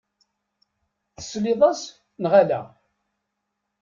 Tesliḍ-as, neɣ ala?